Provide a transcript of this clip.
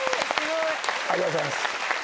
ありがとうございます。